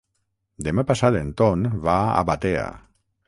Demà passat en Ton va a Batea.